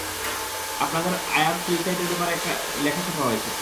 আপনাদের আয়ার সুইসাইডের ব্যাপারে একটা লেখা ছাপা হয়েছে।